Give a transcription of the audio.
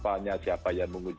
bagaimana siapa yang menguji